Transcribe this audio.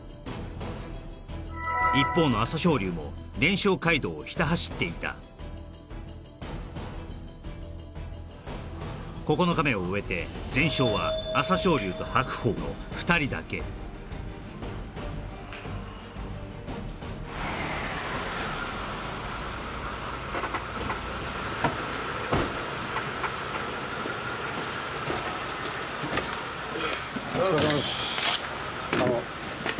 一方の朝青龍も連勝街道をひた走っていた９日目を終えて全勝は朝青龍と白鵬の２人だけ・お疲れさまです